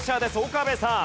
岡部さん。